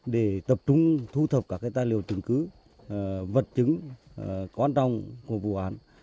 để tập trung thu thập các tài liệu chứng cứ vật chứng quan trọng của vụ án